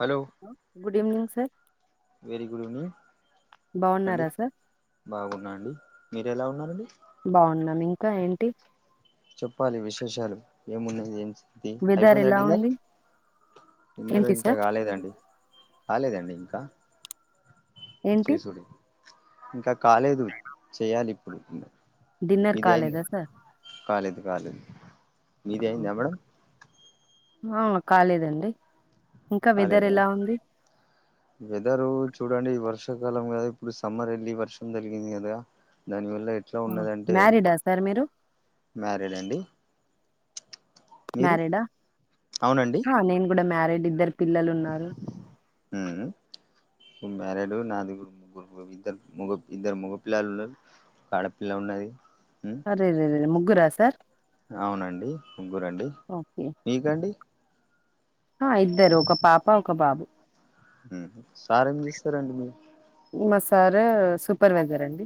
Hello good evening sir very good evening బాగున్నారా sir బాగున్నాండి మీరు ఎలా ఉన్నారండి బాగున్నాం ఇంకా ఏంటి చెప్పాలి విశేషాలు ఏమున్నాయ్ ఏం ది వెదర్ అయిపోయిందా ఎలా డిన్నర్ ఉంది ఏంటి సార్ కాలేదండి ఇంకా ఏంటి చేసుడె ఇంకా కాలేదు చెయాలిప్పుడు డిన్నర్ మీది అయింది కాలేదా సార్ కాలేదు కాలేదు మీది అయిందా మేడం ఆ కాలేదండి ఇంకా వెదర్ కాలేదా ఎలా ఉంది వెదరు చూడండి వర్షాకాలం కదా ఇప్పుడు సమ్మర్ వెళ్ళి వర్షం తలిగింది కదా దానివల్ల ఎట్లా ఉన్నదంటే మ్యారీడా సార్ మీరు మ్యారేడ్ అండి మీరు మ్యారీడా అవునండి నేను కూడా మ్యారీడ్ ఇద్దరు పిల్లలు ఉన్నారు ఊ మ్యారిడు నాది ఇద్దరు ముగ్గు ఇద్దరు ముగ్గురు పిల్లలు ఉన్నారు ఆడపిల్ల ఉన్నది ఉ అరె రె రె ముగ్గురా సార్ అవునండి ముగ్గురండి ఓకే మీ కండి ఆ ఇద్దరు ఒక పాప ఒక బాబు ఉ సార్ ఏం చేస్తారండి మీ మా సార్ సూపర్వైజర్ అండి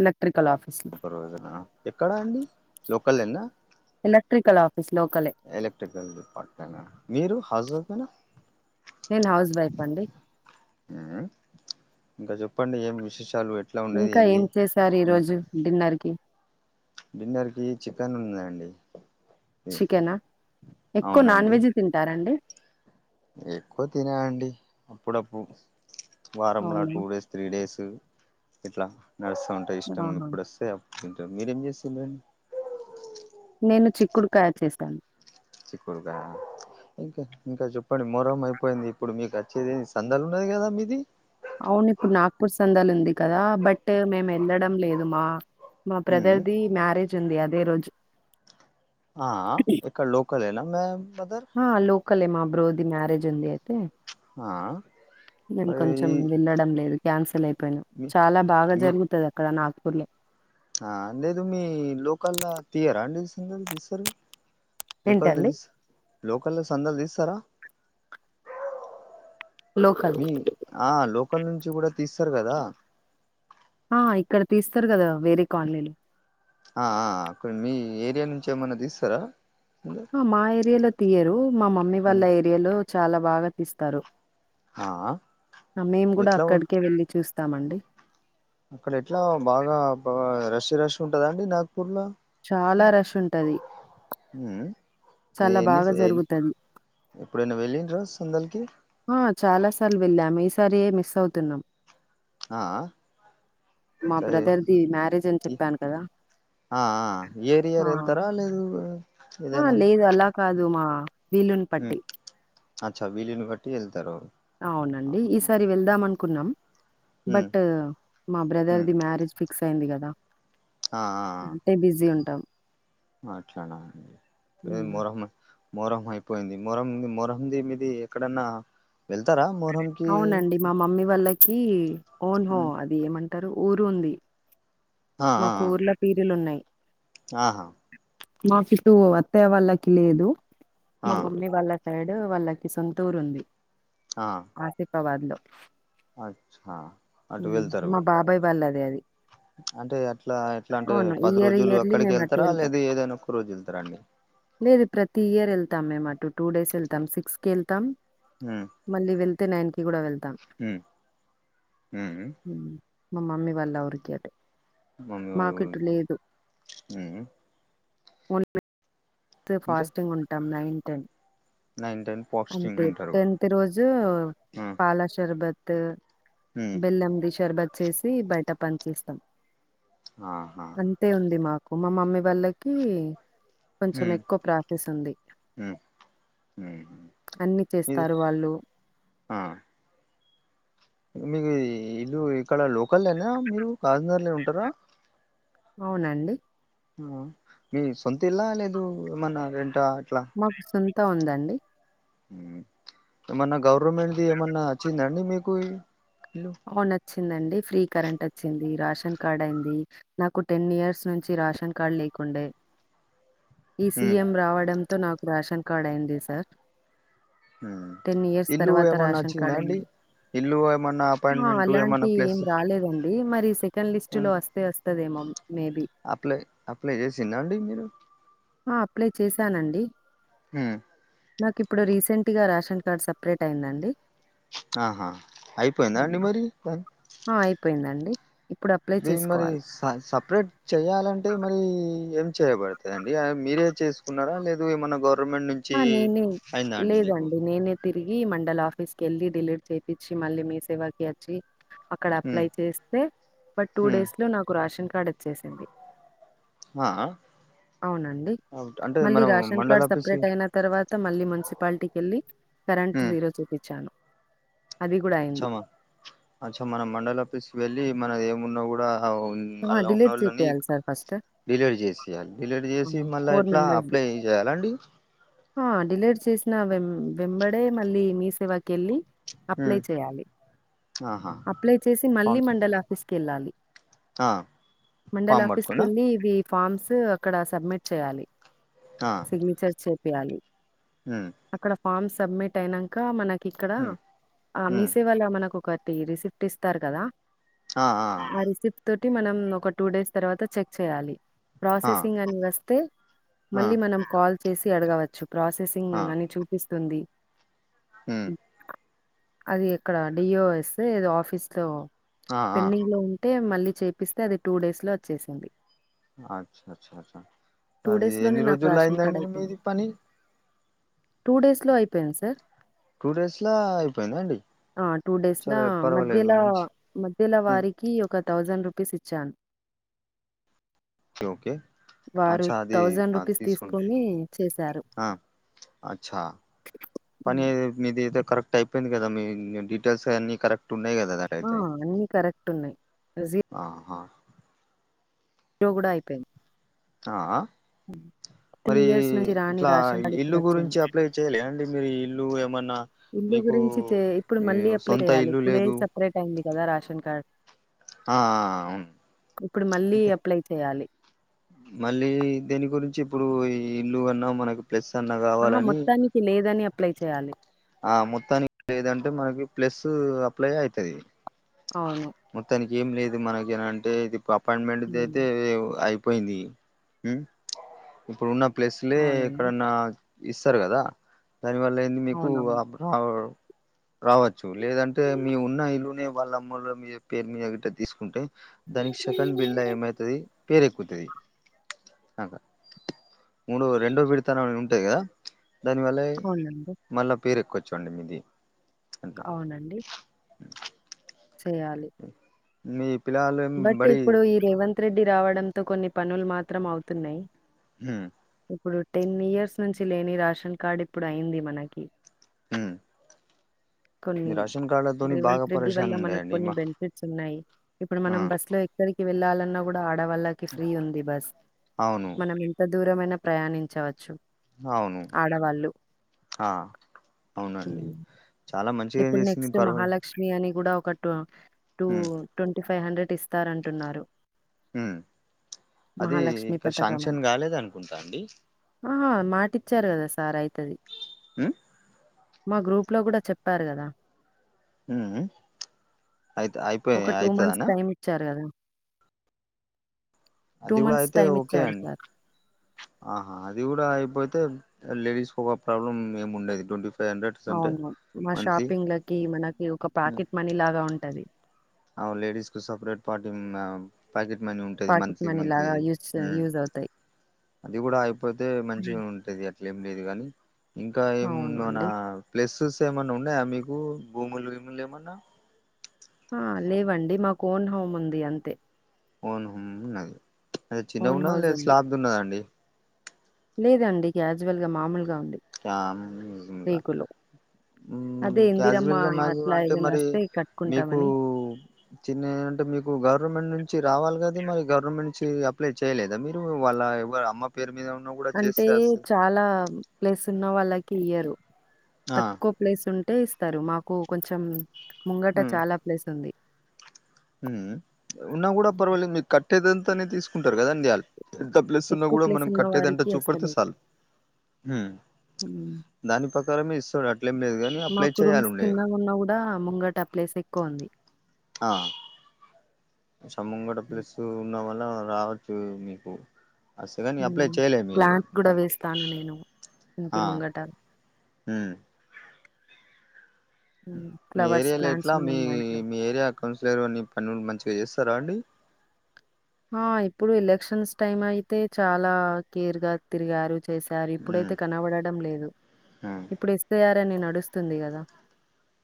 ఎలక్ట్రికల్ ఆఫీస్ లో సూపర్ విసైరా ఎక్కడా అండి లోక లేనా ఎలక్ట్రికల్ ఆఫీస్ లోకలే ఎలక్ట్రికల్ డిపార్ట్మెంటెనా మీరు హౌస్ వైఫ్నా నేను హౌస్ వైఫ్ అండి ఇంకా చెప్పండి ఏం విశేషాలు ఏ ఇంకా ఏం చేసారు ఈ రోజు డిన్నర్ కి డిన్నర్ కి చికెన్ ఉందండి ఏ, చికెనా ఎక్కువ నాన్ అవునండి వెజ్ తింటారండి ఎక్కువ తిన అండి అప్పుడప్పుడు వారంలా అవును టూ డేస్ త్రీ డేసు ఇట్లా నడుస్తూ ఉంట ఇష్టం ఆహా ఎప్పుడు వస్తే అప్ తింట మీరేం చేస్తుండండి నేను చిక్కుడుకాయ చేశాను చిక్కుడుకాయ ఇంకా ఇంకా చెప్పండి మోరం అయిపోయింది ఇప్పుడు మీకోచ్చేది ఎంది సంద్దలున్నయి కదా మీది అవును ఇప్పుడు నాగ్పూర్ సందాలుంది కదా బట్ మేము వెళ్ళడం లేదు మా మా ఉమ్ బ్రదర్ది మ్యారేజ్ ఉంది అదే రోజు ఆ ఇక్కడ లోకలేన మేం ఆ లోకలే ఏ మాబ్రోది మ్యారేజ్ ఉందియితే ఆ నేను మరి కొంచెం వెళ్ళడం లేదు క్యాన్సల్ అయిపోయినా, మీ చాలా బాగా మీ జరుగుతది అక్కడ నాగపూర్లో. ఆ లేదు మీ లోకల్లా తీయరా అండి సంధల్ తీస్తరుగా. ఏ కల్ ఏంటండి తీస్ లోకల్లో సందల్ తీస్తరా. లోకల్ మీ ఆ లోకల్ల నుంచి కూడా తీస్తరు కదా. ఆ ఇక్కడ తీస్తరు కదా వేరే కాలనీలు. ఆ ఆ కొని మీ ఏరియా నుంచి ఏమన్నా తీస్తరా సందల్. మా ఏరియాలో తీయరు, మా మమ్మీ వాళ్ళ ఏరియాలో చాలా బాగా తీస్తారు. ఆ మేము కూడా ఎట్లా అక్కడికే వెళ్ళి చూస్తామండి. అక్కడ ఎట్లా బాగా రష్ రష్ ఉంటదా అండి నాగ్ పూర్లా. చాలా రష్ ఉంటది, ఉమ్ చాలా ఎన్ని బాగా జరుగుతది. ఎప్పుడైనా వెళ్లింర్రా సందల్కి. ఆ చాలా సార్లు వెళ్ళాము ఈసారే మిస్ అవుతున్నాం. ఆ ఆ మా బ్రదర్ది మ్యారేజ్ అని చెప్పాను కదా. ఆ ఆ ఇయర్ ఆ! ఇయర్ ఎళ్తరా లేదు ఆ! ఎదైనా లేదు అలా కాదు మా వీలుని బట్టి. అచ్చా వీలుని బట్టి ఎళ్తరు. అవునండి ఈసారి వెళ్దాం అనుకున్నం ఉమ్ బట్ మా brother um the marriage fix అయింది కదా. ఆఆ ఆ అంటే బిజీ ఉంటాం. అట్లనా అండి ఏది హ్మ్. మొహర్రం అ మొహరం అయిపోయింది, మొహరం మొహరంది మీది ఎక్కడన్నా వెళ్తరా మొహరం కి అవునండి. మా మమ్మీ వాళ్ళకి ఓనో అది ఏమంటరు ఊరు ఉంది. ఆ ఆ మాకు ఊర్ల ఆ పీరీలు ఉన్నయి. ఆహా మాకిటు అత్తయ్య వాళ్ళకి లేదు ఆ మా మమ్మీ వాళ్ళక్ సైడ్ వాళ్ళకి సొంతూరు ఉంది. ఆ ఆసిఫాబాద్ లో అచ్చా అటు వెళ్తారు మా బాబాయ్ వాళ్లదే అది. అంటే అట్ ట్లా ఎట్లా అంటే అవును పది ఇయర్ రోజులు ఇయర్లీ అక్కడికి మేము అటే వెళ్తారా వెళ్తాం లేదు ఏదైనా ఒక్క రోజు వెళ్తరా అండి. లేదు ప్రతి ఇయర్ ఎళ్తాం మేము అటు టూ డేస్ ఎళ్తాం సిక్స్ కి ఎళ్తాం హ్ మళ్ళీ వెళ్తే నైన్ కి కూడా వెళ్తాం. ఉమ్ మా మమ్మీ వాళ్ళ ఊరికి అటు. మమ్మీ వాళ్ళ మాకు ఇటు ఊరికి లేదు ఉహ్ [inaudible] ఇంకా ఫాస్టింగ్ ఉంటాం nine ten. Nine ten fasting అంటే ఉంటారు టెన్త్ రోజు ఉమ్ పాల శరబత్ ఉమ్ బెల్లంది షర్బత్ చేసి బయట పంచేస్తం. ఆహా అంతే ఉంది మాకు మా మమ్మీ వాళ్ళకి కొంచెం ఉమ్ ఎక్కువ ప్రాఫీస్ ఉంది ఉమ్ ఉమ్ అన్నీ ఇది చేస్తారు వాళ్ళు. ఆ మీకు ఈ ఇల్లు ఇక్కడ లోకలేనా మీరు కాఘజ్ నగర్లే ఉంటరా అవునండి. ఈ సొంతిల్లా లేదు ఏమన్నా రెంటా ఎట్ల మాక్ సొంత ఉందండి. ఏమన్నా గవర్నమెంట్ది ఏమన్నా అచ్చిందండి మీకు ఇల్లు అవునచ్చిందండి ఫ్రీ కరెంట్ అచ్చింది, రాషన్ కార్డ్ అయింది నాకు టెన్ ఇయర్స్ నుంచి రాషన్ కార్డ్ లేకుండే ఈ ఉమ్ సీఎం రావడంతో నాకు రేషన్ కార్డ్ అయింది సార్. టెన్ ఇయర్స్ ఇల్లు తర్వాత రేషన్ కార్డ్ ఏమన్నచ్చిందా అండి అయింది ఇల్లు ఏమన్న ఆ అలాంటి ఏం రాలేదండి మరి సెకండ్ లిస్ట్లో వస్తే వస్తదేమో మేబి అప్లై అప్లై చేసింరా అండి మీరు ఆ అప్లై చేసానండి. హ్ నాకిప్పుడు రీసెంట్గా రేషన్ కార్డ్ సపరేట్ అయిందండి. ఆహా అయిపోయిందా అండి ఉమ్. మరి దాన్ ఆ అయిపొయిందండి. దిమ్మరీస్ ఆ సపరేట్ చేయాలంటే మరి ఏం చేయబడతదండి ఆ మీరే చేస్ కున్నారా లేదు ఏమన్న గవర్నమెంట్ నుం హ నేనే లేదండి నేనే తిరిగి మండల ఆఫీస్కెళ్ళి డిలీట్ చేపిచ్చి మళ్ళీ మీ సేవాకి అచ్చి అక్ క్కడ ఉమ్ అప్లై చేస్తే బట్ టూ ఉమ్ డేస్లో నాకు రాషన్ కార్డ్ అచ్చేసింది. ఆ అవునండి అంటే మళ్ళీ మనం రాషన్ మండల కార్డ్ సప్ ఆఫీస్కి అయిన తర్వాత మళ్ళీ మున్సిపాలిటీకెల్లి కరెంట్ ఉమ్ జీరో చూపిచ్చాను. అచ్చమ అచ్చ మన మండల్ ఆఫీస్కి వెళ్ళి మనద్ ఏమున్నా గుడా ఉన్ అల్ల డిలీట్ చేపియాలి ఉన్నోళ్ళనీక్ సార్ ఫస్ట్ డిలీట్ చేసేయాల్ డిలీట్ చేసి మళ్ళ ఫోర్ ఎట్ల అప్లై చేయాలండి. డిలెట్ చేసిన వెం వెంబడే మళ్ళీ మీ సేవాకెళ్ళి అప్లై ఉమ్ చేయాలి ఆహా అప్లై చేసి మళ్ళీ ఫామ్ మండలాఫీస్ కెళ్ళాలి. ఆ మండల్ ఫామ్ పట్టుకున్నా ఆఫీస్కెళ్లి ఇవి ఫామ్స్ అక్కడ సబ్మిట్ చేయాలి. ఆ సిగ్నేచర్ చేపీయాలి. హ్ అక్కడ ఫామ్ సబ్మిట్ అయినంక మనక్ ఇక్కడ ఉమ్ ఆ ఉమ్ మీసేవాల మనకొక టి రిసిప్ట్ ఇస్తార్ కదా ఆ రిసిప్ తోటి మనం ఒక టూ డేస్ తర్వాత చెక్ చేయాలి ఆ ప్రాసెసింగ్ అని వస్తే ఆ మళ్ళీ మనం కాల్ చేసి అడగవచ్చు ప్రాసెసింగ్ అని చూపిస్తుంది. మ్ అది ఎక్కడ డియోఎస్ ఏదో ఆఫీస్లో ఆ ఆ పెండింగ్లో ఉన్ టే మళ్ళీ చేపిస్తే అది టూ డేస్లో అచ్చేసింది. అచ్చ అచ్చ అచ్చ చ టూ అది డేస్ లోనే ఎన్ని నాకు రేషన్ కార్డ్ రోజులైందండి అయిపోయింది మీది పని టూ డేస్లో అయిపొయింది సార్ టూ డేస్లా అయిపోయిందా అండి ఆ టూ డేస్లా సరే పర్వాలేదు మధ్యలా మంచి మధ్యల ఉమ్ వారికి ఒక థౌజండ్ రూపీస్ ఇచ్చాన్ ఓకే అచ్చ అది రూపీస్ తీసున్నా తీసుకొని చేశారు. ఆ అచ్చా హ్మ్. పనిర్ మీదతే కరెక్ట్ అయిపోయింది కదా మీ డీటెయిల్స్ అన్ని కరెక్ట్ ఉన్నాయి కదా అ ఆ అన్ని కరెక్ట్ ఉన్నాయి ఆహా ఇంట్లో కూడా అయిపోయింది ఆ హ్మ్. ఇన్ని మరి ఇయర్స్ నుంచి రాని ఇట్లా రేషన్ కార్డ్ ఇల్లు ఇప్పుడొచ్చింది. గురించి అప్లై చేయలే అండి మీరు ఇల్లు ఏమన్నా ఇల్లు మీకు గురించి ఇప్పుడు ఈ మళ్ళీ అప్లై సొంత చేయాలి ఇల్లు ఇప్పుడే లేదు సపరేట్ అయింది కదా రాషన్ కార్డ్ ఆ ఆ అవును ఇప్పుడు మళ్ళీ అయితే అప్లై చెయాలి మళ్ళీ దీని గురించి ఇప్పుడు ఈ ఇల్లు అన్నా మనకు ప్లేన్నగా ఆహ మొత్తానికి లేదని అప్లై చేయాలి ఆ మొత్తానికి లేదంటే మనకి ప్లస్ అప్లై అయితది అవును మొత్తానికి ఏం లేదు మనకి ఏంటే ఇది అపాయింట్మెంట్ హ్మ్. అయితే అయిపోయింది ఉ ఇప్పుడు ఉన్న ప్లేస్లే అవునండి. ఇక్కడన్నా ఇస్తారు కదా దానివల్ల ఏంది మీకు అవునవును. రా రావచ్చు లేదంటే మీ ఉన్న ఇల్లునే వాళ్ళ అమ్మలో మీ పేరు మీద తీసుకుంటే దానికి సెకండ్ బిల్ ఏమైతుది పేరు ఎక్కుతది మూడో రెండో విడతాఆనే ఉంటాయి కదా దానివల్ల అవునండి. మళ్ళా పేరు ఎక్కవచ్చు అండి మీది అట్లా అవునండి చేయాలి మీ పిల్లగాండ్లు బట్ ఇప్పుడు ఈ రేవంత్ రెడ్డి రావడంతో కొన్ని పనులు మాత్రం అవుతున్నాయి ఉ ఇప్పుడు టెన్ ఇయర్స్ నుంచి లేని రాషన్ కార్డ్ ఇప్పుడు అయింది మనకి ఉ కొన్ని బాగా రేవంత్ రెడ్డి వల్ల పరేషాన్ ఉండే మనకు అండి కొన్ని మా బెనిఫిట్స్ ఉన్నాయి ఇప్పుడు ఆ మనం బస్సు లో ఎక్కడికి వెళ్ళాలన్నా కూడా ఆడవాళ్ళకి ఫ్రీ ఉంది బస్ అవును మనం ఎంత దూరమైనా ప్రయాణించవచ్చు అవును ఆడవాళ్ళు. ఆ అవునండి హ్మ్. చాలా మంచిగా ఏం చేసింది పర్వలు స్త్రీ అని కూడా ఒక టూ ట్వంటీ ఫైవ్ హండ్రెడ్ ఇస్తారంటున్నారు ఉ అది మహాలక్ష్మి ఇంకా పథకం అని. శాంక్షన్ కాలేద అనుకుంటా అండి ఆహా మాటిచ్చారు కదా సార్ అయితది ఉమ్ మా గ్రూప్ లో కూడా చెప్ప చెప్పారు కదా ఉ హు అయితే అయితది ఒక టూ మంత్స్ టైమ్ ఇచ్చారు కదా అది కూడా అయితే ఓకే అండి ఆహా అది కూడా అయిపోతే లేడీస్ ఒక ప్రాబ్లమ్ ఏమి ఉండేది ట్వంటీ ఫైవ్ హండ్రెడ్ అంటే అవును మా మంత్లీ షాపింగ్ లకి మనకి ఒక ప్యాకెట్ మనీ లాగా ఉంటది అవ్ లేడిస్ కు సప్రేట్ పార్టీ హ్మ్ మామ్ ప్యాకెట్ మన్యూం ఉంటది పాకెట్ మంత్లీ మనీ లాగా మంత్లీది యూజ్ ఊ యూజ్ అవుతాయి. అది గూడా అయిపోతే మంచిగ మ్మ్. ఉంటది అట్ అట్లేం లేదు గానీ ఇంకా ఏం అవును మనా అండి. ప్లెస్సెస్ ఏమన్నా ఉన్నయా మీకూ భూముల్ గీముల్ ఏమన్నా ఆ లేవండి మాకు ఓన్ హోమ్ ఉంది అంతే ఓన్ హోమ్ ఉన్నది అదే చిన్నగ ఓన్ ఉన్నదా హౌస్ లే ఉంది. స్లాబ్ది ఉన్నదా అండి లేదండి క్యాజువల్గ మాముల్గ ఉంది [unintelligible] రేకులు. ఊ అదే ఇందిరమ్మ క్యాజువల్ గా మ్యాగూ అట్లా అంటే ఏదైనా మరీ వస్తే మీకూ కట్టుకుంటామని. చిన్న అంటే మీకు గవర్నమెంట్ నుంచి రావాల్ గదె మరి గవర్నమెంట్ నుంచి అప్లైచ్ చేయలేదా మీరూ వాళ్ళ ఎవ్వ అమ్మ పేరు మీద ఉన్న గూడ అంటే చాలా ప్లేస్ ఉన్న వాళ్ళకి ఇయ్యరు ఆ తక్కువ ప్లేస్ ఉంటే ఇస్తారు మాకు కొంచెం ముంగట చాలా ప్లేస్ ఉంది ఊఉ ఉన్నా గూడ పర్వాలేద్ మీ కట్టేదెంతనే తీసుకుంటారు గదండి ఆళ్ ఎంత ప్లేస్ ఉన్నా ఎక్కువ గూడా ప్లేస్ మనం ఉన్న కట్టేదెంత వారికి చూపెడ్తే ఇస్తలేదు సాల్ హు ఉమ్. దాని పకారమే ఇస్సడు అట్లేం లేదుగా మాకు రూమ్స్ చిన్నగ ఉన్న గూడా ముంగట ప్లేస్ ఎక్కువ ఉంది ఆ స ముంగట ప్లెస్స్ ఉన్న వల్ల రావచ్చు మీకు అస్సలే నీ అప్లై చేయలే మీలిగా ప్లాంట్స్ కూడా మొత్తాని వేస్తాను నేను ఇంటి ఆ ముంగట ఉ మీ ఫ్లవర్స్ ఏరియాలో ప్లాంట్స్ ఎట్ల మీ ఉన్నాయి మా ఇంట్లో మీ ఏరియా కౌన్సిలర్ అన్ని పనులు మంచిగ ఏస్సరా అండి ఆ ఇప్పుడు ఎలక్షన్స్ టైమ్ అయితే చాలా కేర్ గా తిరిగారు చేశారు ఉమ్ ఇప్పుడైతే కనబడడం లేదు ఉమ్ ఇప్పుడు ఇస్తే ఆరేని నడుస్తుంది గదా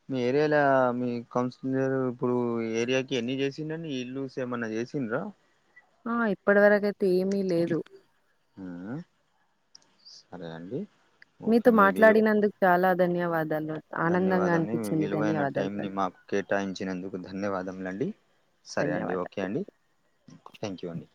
మీ ఏరియాలా మీ కౌన్సిలర్ ఇప్పుడూ ఈ ఏరియాకి ఎన్ని జేసిండండి ఈ ఇల్లూస్ ఏమన్న ఏసింద్ర ఆ ఇప్పడ వరకైతే ఏమీ లేదు ఊఉ సరే అండి ఓకే మీతో మీ మాట్లాడినందు చాలా ధన్యవాదాలు ఆనందంగా ధన్యవాదమే అనిపించింది విలువైన ధన్యవాదాలు టైంని సార్ మాకు కేటాయించినందుకు ధన్యవాదములండి సరే అండి ధన్యవాదాలు ఓకే అండి థ్యాంక్ యూ అండి